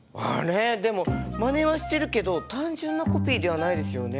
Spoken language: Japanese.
でもまねはしているけど単純なコピーではないですよね。